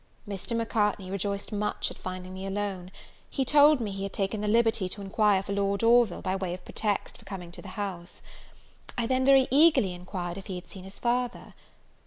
Mr. Macartney rejoiced much at finding me alone. He told me he had taken the liberty to enquire for Lord Orville, by way of pretext for coming to the house. I then very eagerly enquired if he had seen his father.